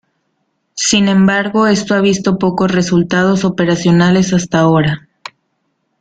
Sin embargo esto ha visto pocos resultados operacionales hasta ahora.